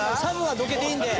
ＳＡＭはどけていいんで。